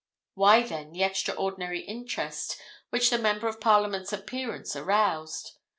Why, then, the extraordinary interest which the Member of Parliament's appearance aroused?